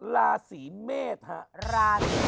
ราศรีเมษฮะ